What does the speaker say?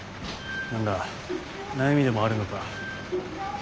何だ悩みでもあるのか。